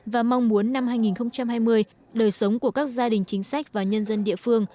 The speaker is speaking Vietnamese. và mong muốn năm hai nghìn hai mươi đời sống của các gia đình chính sách và nhân dân địa phương